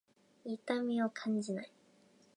痛みを感じない。